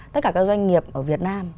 tất cả các doanh nghiệp ở việt nam